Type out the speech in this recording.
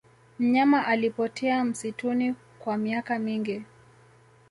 mnyama alipotea msituni kwa miaka mingi